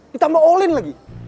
ditambah olin lagi